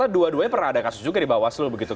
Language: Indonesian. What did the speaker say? dua duanya pernah ada kasus juga di bawaslu begitu